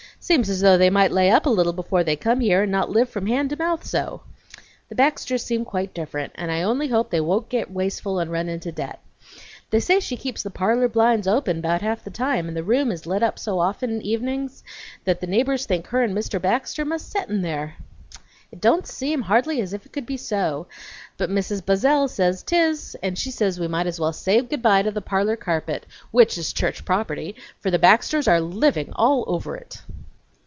Seems as though they might lay up a little before they come here, and not live from hand to mouth so! The Baxters seem quite different, and I only hope they won't get wasteful and run into debt. They say she keeps the parlor blinds open bout half the time, and the room is lit up so often evenin's that the neighbors think her and Mr. Baxter must set in there. It don't seem hardly as if it could be so, but Mrs. Buzzell says tis, and she says we might as well say good by to the parlor carpet, which is church property, for the Baxters are living all over it!"